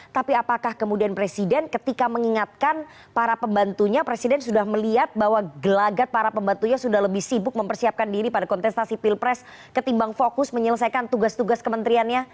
tapi apakah kemudian presiden ketika mengingatkan para pembantunya presiden sudah melihat bahwa gelagat para pembantunya sudah lebih sibuk mempersiapkan diri pada kontestasi pilpres ketimbang fokus menyelesaikan tugas tugas kementeriannya